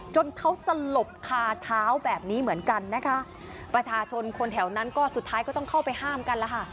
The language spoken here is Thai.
จนเขาสลบคาเท้าแบบนี้เหมือนกันนะคะประชาชนคนแถวนั้นก็สุดท้ายก็ต้องเข้าไปห้ามกันแล้วค่ะ